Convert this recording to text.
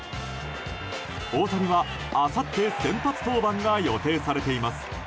大谷はあさって先発登板が予定されています。